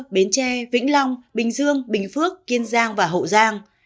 bến tre vĩnh long bình dương bình phước kiên giang và hậu giang